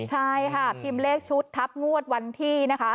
ใช่ค่ะพิมพ์เลขชุดทับงวดวันที่นะคะ